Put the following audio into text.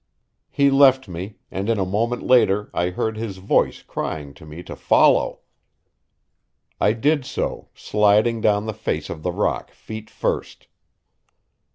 He left me, and in a moment later I heard his voice crying to me to follow. I did so, sliding down the face of the rock feet first.